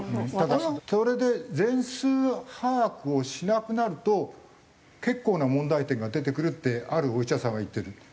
ただそれで全数把握をしなくなると結構な問題点が出てくるってあるお医者さんは言ってる。